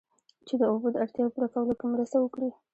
چې د اوبو د اړتیاوو پوره کولو کې مرسته وکړي